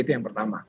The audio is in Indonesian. itu yang pertama